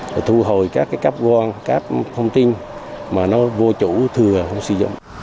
và thu hồi các cáp quang cáp thông tin mà nó vô chủ thừa không sử dụng